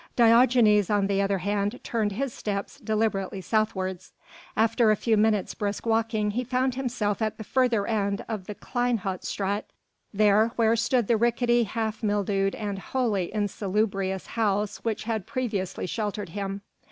Diogenes on the other hand turned his steps deliberately southwards. After a few minutes brisk walking he found himself at the further end of the Kleine Hout Straat, there where stood the ricketty, half mildewed and wholly insalubrious house which had previously sheltered him.